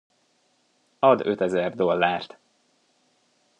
Ad ötezer dollárt.